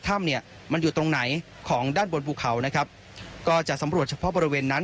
ถ้ำเนี่ยมันอยู่ตรงไหนของด้านบนภูเขานะครับก็จะสำรวจเฉพาะบริเวณนั้น